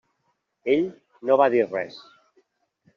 Ell no va dir res.